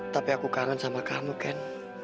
tapi aku kangen sama kamu kan